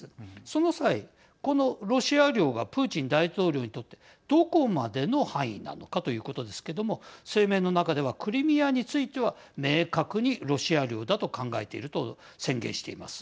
その際、このロシア領がプーチン大統領にとってどこまでの範囲なのかということですけども声明の中ではクリミアについては明確にロシア領だと考えていると宣言しています。